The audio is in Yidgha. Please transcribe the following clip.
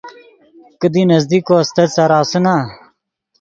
کیدی نزدیک کو استت سارو آسے نا۔